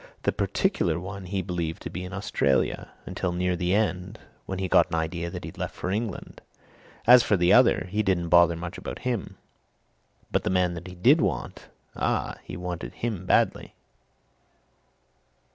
"The particular one he believed to be in Australia, until near the end, when he got an idea that he'd left for England; as for the other, he didn't bother much about him. But the man that he did want! ah, he wanted him badly!"